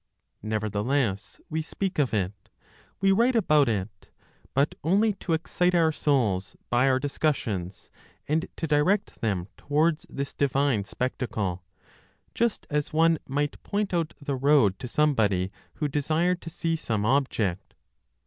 Nevertheless we speak of it, we write about it, but only to excite our souls by our discussions, and to direct them towards this divine spectacle, just as one might point out the road to somebody who desired to see some object.